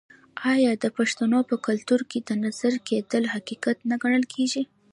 آیا د پښتنو په کلتور کې د نظر کیدل حقیقت نه ګڼل کیږي؟